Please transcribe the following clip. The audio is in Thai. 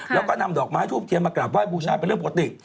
แล้วก็นำดอกไม้ทูบเทียนมากราบไห้บูชาเป็นเรื่องปกติ